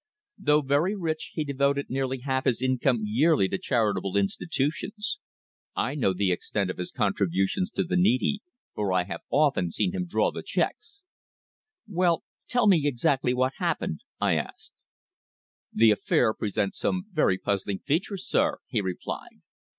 Though very rich he devoted nearly half his income yearly to charitable institutions. I know the extent of his contributions to the needy, for I have often seen him draw the cheques." "Well tell me exactly what happened," I asked. "The affair presents some very puzzling features, sir," he replied.